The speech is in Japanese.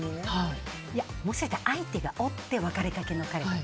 もしかしたら相手がおって別れかけの彼が。